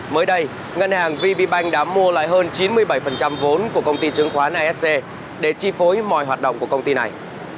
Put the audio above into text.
mới đây ngân hàng vb bank đã mua lại hơn chín mươi bảy vốn của công ty chứng khoán nasc để chi phối mọi hoạt động của công ty này